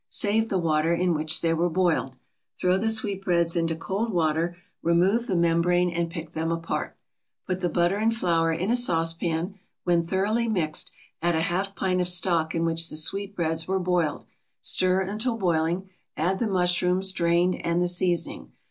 Save the water in which they were boiled. Throw the sweetbreads into cold water, remove the membrane and pick them apart. Put the butter and flour in a saucepan; when thoroughly mixed, add a half pint of stock in which the sweetbreads were boiled, stir until boiling, add the mushrooms, drained, and the seasoning.